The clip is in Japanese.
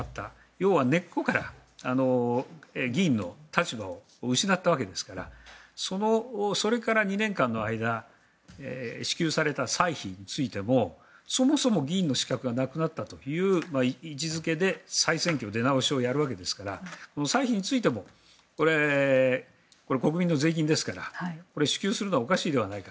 要は根っこから議員の立場を失ったわけですからそれから２年間の間支給された歳費についてもそもそも議員の資格がなくなったという位置付けで再選挙、出直しをやるわけですから歳費についてもこれは国民の税金ですから支給するのはおかしいのではないか。